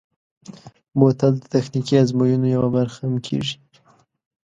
بوتل د تخنیکي ازموینو یوه برخه هم کېږي.